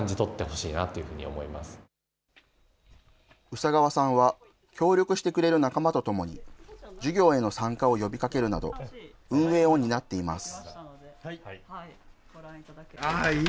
宇佐川さんは協力してくれる仲間とともに、授業への参加を呼びかけるなど、運営を担っています。